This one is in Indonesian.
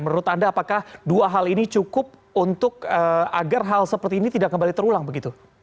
menurut anda apakah dua hal ini cukup untuk agar hal seperti ini tidak kembali terulang begitu